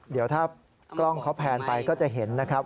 เดี๋ยวถ้ากล้องเขาแพนไปก็จะเห็นนะครับ